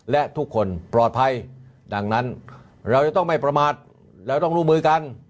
และทุกคนปลอดภัยดังนั้นเราจะต้องไม่ประมาทเราต้องร่วมมือกัน